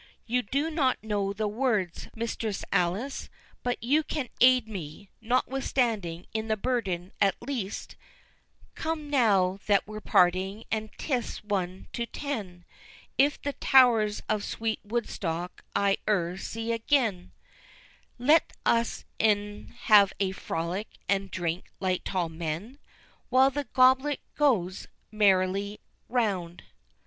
You do not know the words, Mistress Alice, but you can aid me, notwithstanding, in the burden at least— 'Come, now that we're parting, and 'tis one to ten If the towers of sweet Woodstock I e'er see agen, Let us e'en have a frolic, and drink like tall men, While the goblet goes merrily round.